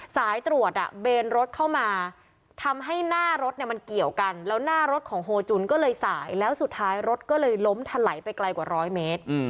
สายตรวจเบนรถเข้ามาทำให้หน้ารถเนี่ยมันเกี่ยวกันแล้วหน้ารถของโฮจุนก็เลยสายแล้วสุดท้ายรถก็เลยล้มถลายไปไกลกว่าร้อยเมตร